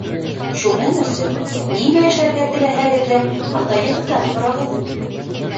Шуның өсөн, нимә эшләргә теләһәгеҙ ҙә, атайығыҙҙан һорағыҙ.